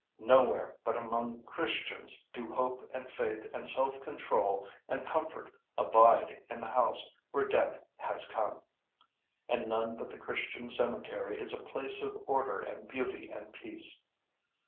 Nowhere but among Christians do hope and faith and self control and comfort abide in the house where death has come, and none but the Christian cemetery is a place of order and beauty and peace.